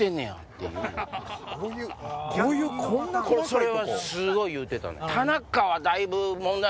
それはすごい言うてた。